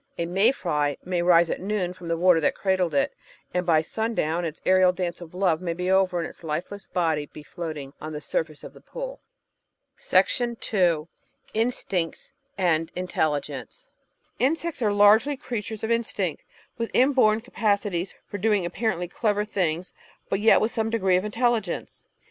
A may fly may rise at noon from the water that cradled it, and by sun down its aerial dance of love may be over and its lifeless body be floating on the surface of the pool. Instincts and Intelligence Insects are largely creatures of instinct, with inborn capaci ties for doing apparently clever things, but yet with some degree of intelligence.